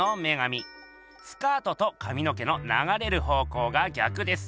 スカートとかみの毛のながれる方向が逆です。